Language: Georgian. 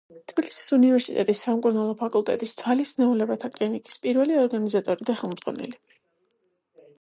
თბილისის უნივერსიტეტის სამკურნალო ფაკულტეტის თვალის სნეულებათა კლინიკის პირველი ორგანიზატორი და ხელმძღვანელი.